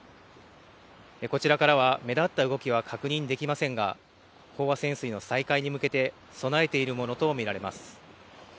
こちらからは目立った動きは確認できませんが、飽和潜水の再開に向けて、備えているものと見られます。